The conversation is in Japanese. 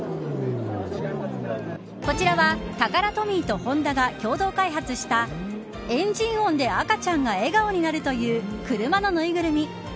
こちらはタカラトミーとホンダが共同開発したエンジン音で赤ちゃんが笑顔になるという車の縫いぐるみ。